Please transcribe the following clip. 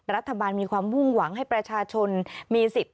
รัฐบาลมีความมุ่งหวังให้ประชาชนมีสิทธิ์